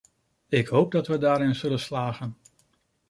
Ik hoop dat wij daarin zullen slagen.